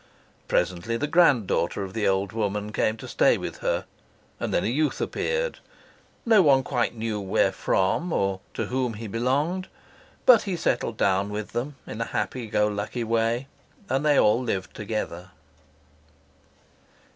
Presently the granddaughter of the old woman came to stay with her, and then a youth appeared no one quite knew where from or to whom he belonged but he settled down with them in a happy go lucky way, and they all lived together.